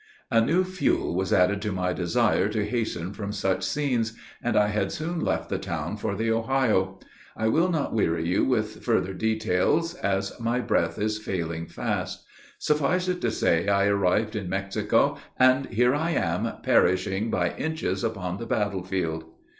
"A new fuel was added to my desire to hasten from such scenes; and I had soon left the town for the Ohio. I will not weary you with further details, as my breath is failing fast. Suffice it to say I arrived in Mexico, and, here I am, perishing by inches upon the battle field.